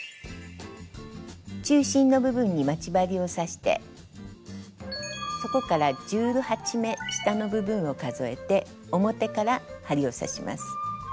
中心の部分に待ち針を刺してそこから１８目下の部分を数えて表から針を刺します。